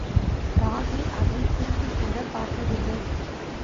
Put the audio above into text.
ராகி அதைத் திரும்பிக்கூடப் பார்க்கவில்லை.